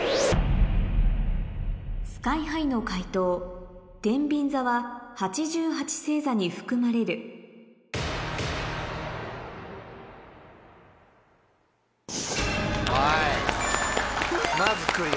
ＳＫＹ−ＨＩの解答てんびん座は８８星座に含まれるまずクリア。